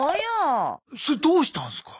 それどうしたんすか？